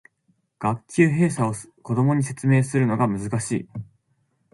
学級閉鎖を子供に説明するのが難しい